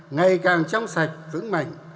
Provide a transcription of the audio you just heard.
ngày càng trong sạch vững mạnh